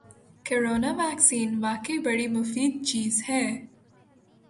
corona vaccine واقعی بڑی مفید چیز ہے